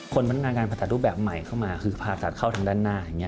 พนักงานการผ่าตัดรูปแบบใหม่เข้ามาคือผ่าตัดเข้าทางด้านหน้าอย่างนี้